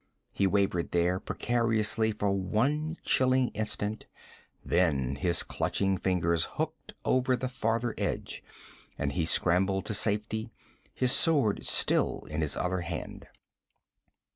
He wavered there precariously for one blood chilling instant, then his clutching fingers hooked over the farther edge, and he scrambled to safety, his sword still in his other hand.